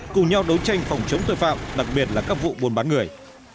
cùng nhau đấu tranh phòng chống tội phạm đặc biệt là các vụ buôn bán người